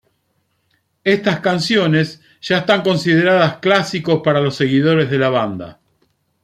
Estás canciones ya están consideradas clásicos para los seguidores de la banda.